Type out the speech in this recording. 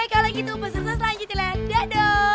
kalau gitu peserta selanjutnya layar dado